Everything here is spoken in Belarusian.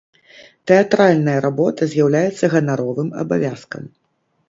Тэатральная работа з'яўляецца ганаровым абавязкам.